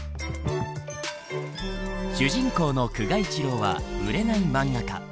主人公の久我一郎は売れない漫画家。